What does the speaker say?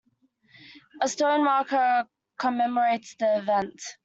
A stone marker commemorates the event.